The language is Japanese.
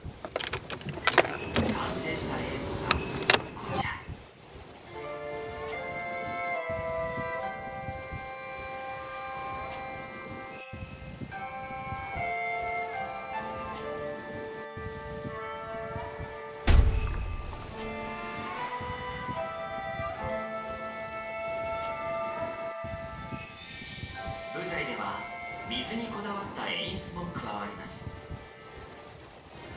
完成した映像がこちら舞台では水にこだわった演出も加わります